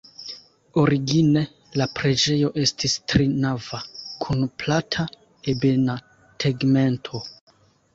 Origine la preĝejo estis trinava kun plata, ebena tegmento.